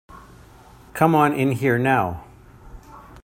Come on in here now.